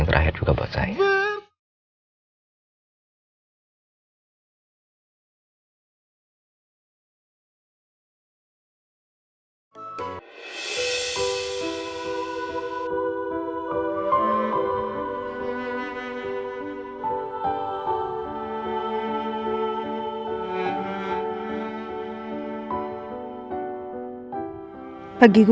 saya juga berharap